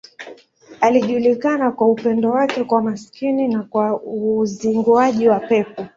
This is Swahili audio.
Alijulikana kwa upendo wake kwa maskini na kwa uzinguaji wa pepo.